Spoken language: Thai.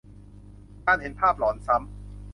การเห็นภาพหลอนซ้ำ